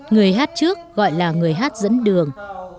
người hát trước gọi là người hát dẫn đường